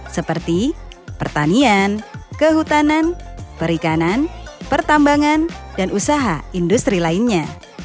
seperti pertanian kehutanan perikanan pertambangan dan usaha industri lainnya